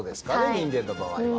人間の場合は。